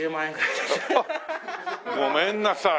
あっごめんなさい。